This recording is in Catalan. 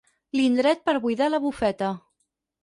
L'indret per buidar la bufeta.